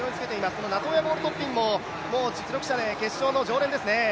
このナトーヤ・ゴウルトッピンも実力者でもう決勝の常連ですね。